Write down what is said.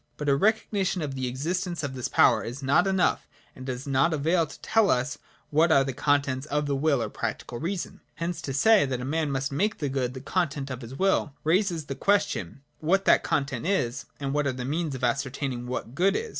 But a recognition of the existence of this power is not enough and does not avail to tell us what are the contents of the will or practical reason. Hence to say, that a man must make the Good the content of his will, raises the question, what that content is, and what are the means of ascertaining what good is.